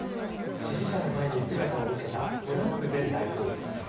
支持者の前に姿を見せたトランプ前大統領。